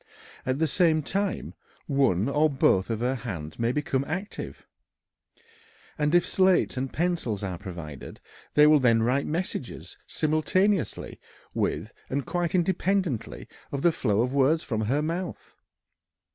At the same time one or both of her hands may become active, and if slates and pencils are provided they will then write messages simultaneously with and quite independently of the flow of words from her mouth.